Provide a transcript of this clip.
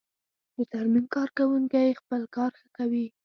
د ترمیم کارکوونکی خپل کار ښه کوي.